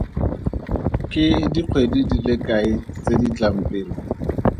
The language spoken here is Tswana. Ke dikgwedi di le kae tse di tlang pele?